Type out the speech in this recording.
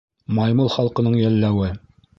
— Маймыл халҡының йәлләүе!